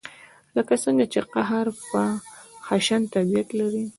لکه څنګه چې قهر پر خشن طبعیت لري.